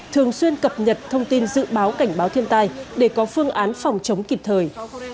thường xuyên cập nhật thông tin dự báo cảnh báo thiên tai để có phương án phòng chống kịp thời